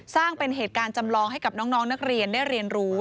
สร้างเป็นเหตุการณ์จำลองให้กับน้องนักเรียนได้เรียนรู้